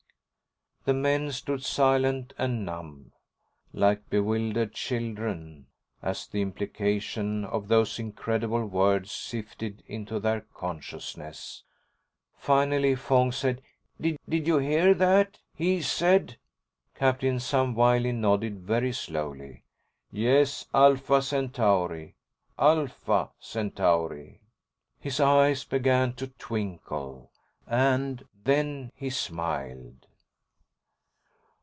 The men stood silent and numb, like bewildered children, as the implication of those incredible words sifted into their consciousness. Finally Fong said, "Did—did you hear that? He said..." Captain Sam Wiley nodded, very slowly. "Yes. Alpha Centauri. Alpha Centauri." His eyes began to twinkle, and then he smiled....